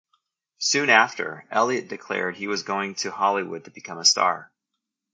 Soon after, Elliott declared he was going to Hollywood to become a star.